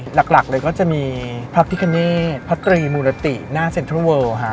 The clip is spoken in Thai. หลักเลยก็จะมีพระพิคเนตพระตรีมูรติหน้าเซ็นทรัลเวิลค่ะ